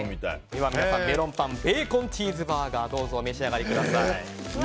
では皆さんメロンパンベーコンチーズバーガーどうぞお召し上がりください。